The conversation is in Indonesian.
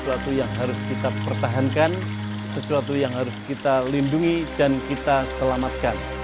sesuatu yang harus kita pertahankan sesuatu yang harus kita lindungi dan kita selamatkan